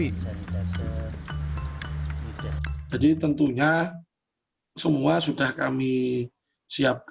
distribusi apd ini adalah syarat kelengkapan penyelenggaraan pemungutan suara pilkada serentak yang akan digelar di tengah pandemi